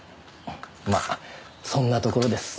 まあそんなところです。